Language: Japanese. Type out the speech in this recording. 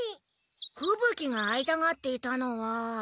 ふぶ鬼が会いたがっていたのは。